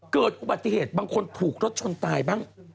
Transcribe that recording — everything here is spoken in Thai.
เกิดอุบัติเหตุบางคนถูกรถชนตายบ้าง